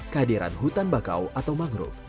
kehadiran hutan bakau atau mangrove